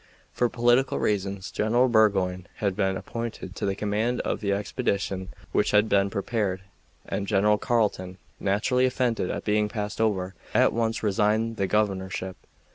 For political reasons General Burgoyne had been appointed to the command of the expedition which had been, prepared, and General Carleton, naturally offended at being passed over, at once resigned the governorship.